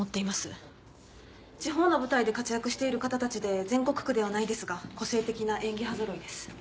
地方の舞台で活躍している方たちで全国区ではないですが個性的な演技派ぞろいです。